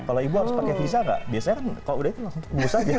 kalau ibu harus pakai visa gak biasanya kan kalau udah itu langsung bus aja